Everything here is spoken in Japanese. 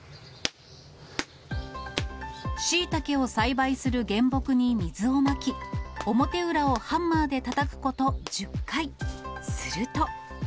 シイタケを栽培する原木に水をまき、表裏をハンマーでたたくこと１０回。すると。